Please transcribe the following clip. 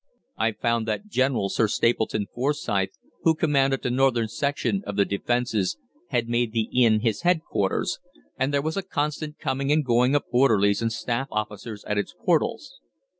I found that General Sir Stapleton Forsyth, who commanded the Northern section of the defences, had made the inn his headquarters, and there was a constant coming and going of orderlies and staff officers at its portals.